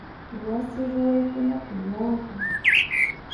Wasi ruwaykunapi llamk'ay.